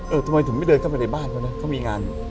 ทำไมถึงไม่เดินเข้าไปในบ้านเขานะเขามีงานอยู่